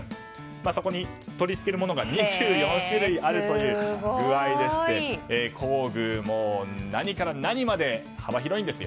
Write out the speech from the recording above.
そこに取り付けるものが２４種類あるという具合でして工具も何から何まで幅広いんですよ。